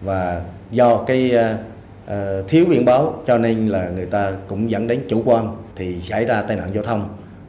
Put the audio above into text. và do cái thiếu biển báo cho nên là người ta cũng dẫn đến chủ quan thì xảy ra tai nạn giao thông